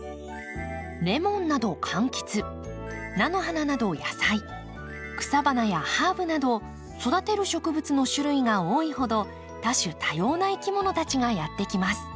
レモンなど柑橘菜の花など野菜草花やハーブなど育てる植物の種類が多いほど多種多様ないきものたちがやって来ます。